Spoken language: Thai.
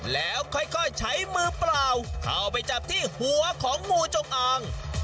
แล้วค่อยใช้มือเปล่าเข้าไปจับที่หัวของงูจงอาง